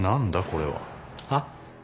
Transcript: これは。はっ？